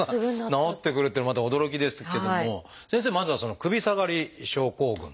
治ってくるっていうのもまた驚きですけども先生まずはその「首下がり症候群」。